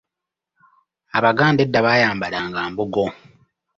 Abaganda edda baayambalanga mbugo.